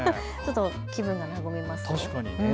気分が和みますよ。